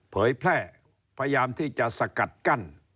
เผยแพร่พยายามที่จะสกัดกั้น